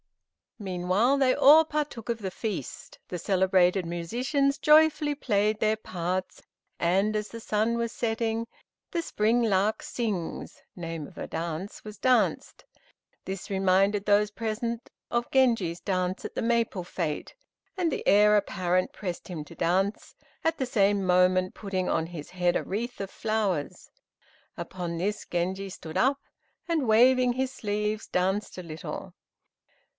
Meanwhile, they all partook of the feast; the selected musicians joyfully played their parts, and as the sun was setting, "The Spring lark Sings" (name of a dance) was danced. This reminded those present of Genji's dance at the maple fête, and the Heir apparent pressed him to dance, at the same moment putting on his head a wreath of flowers. Upon this Genji stood up, and waving his sleeves, danced a little.